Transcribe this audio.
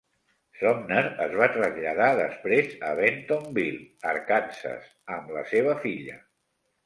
Sumner es va traslladar després a Bentonville, Arkansas amb la seva filla.